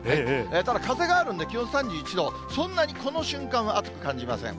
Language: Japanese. ただ、風があるんで、気温３１度、そんなに、この瞬間は暑く感じません。